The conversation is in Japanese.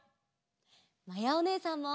まやおねえさんも。